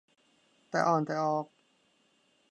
แต่อ้อนแต่ออก